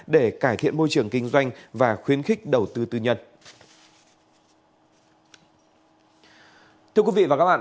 để cải thiện môi trường kinh doanh và khuyến khích đầu tư tư nhân